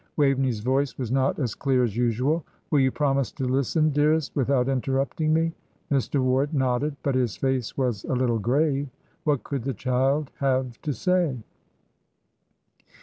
Waveney's voice was not as clear as usual. "Will you promise to listen, dearest, without interrupting me?" Mr. Ward nodded, but his face was a little grave. What could the child have to say?